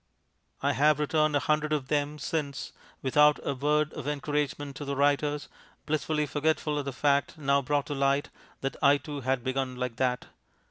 I have returned a hundred of them since without a word of encouragement to the writers, blissfully forgetful of the fact (now brought to light) that I, too, had begun like that.